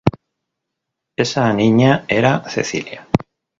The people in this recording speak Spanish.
Esa niña era Cecilia.